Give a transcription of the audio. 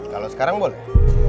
kalau sekarang boleh